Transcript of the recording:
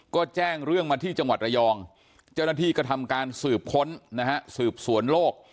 ก็แจ้งเรื่องมาที่จังหวัดระยองเจ้าหน้าที่ก็ทำการสืบค้นนะฮะสืบสวนโลก